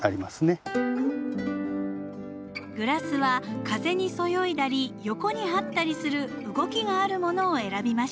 グラスは風にそよいだり横に這ったりする動きがあるものを選びました。